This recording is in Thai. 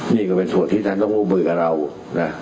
นี่ก็เป็นส่วนที่ท่านต้องร่วมมือกับเรานะ